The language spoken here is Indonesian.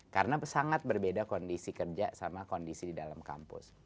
karena sangat berbeda kondisi kerja sama kondisi di dalam kampus